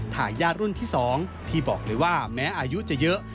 ทายาทรุ่นที่๒ที่บอกเลยว่าแม้อายุจะเยอะ